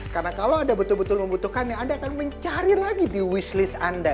karena kalau anda betul betul membutuhkannya anda akan mencari lagi di wishlist anda